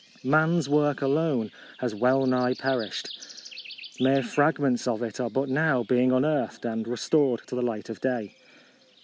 Man's work alone has wellnigh per ished. Mere fragments of it are but now being unearthed and re stored to the light of day.